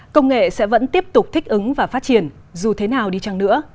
công nghệ sẽ vẫn tiếp tục thích ứng và phát triển dù thế nào đi chăng nữa